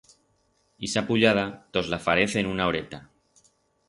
Ixa puyada tos la farez en una horeta.